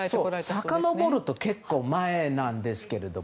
さかのぼると結構前なんですけど。